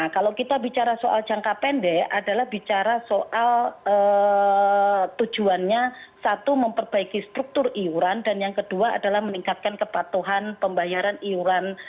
kalau kita bicara soal jangka pendek adalah bicara soal tujuannya satu memperbaiki struktur iuran dan yang kedua adalah meningkatkan kepatuhan pembayaran iuran